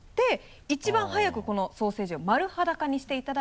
一番速くこのソーセージを丸裸にしていただいて。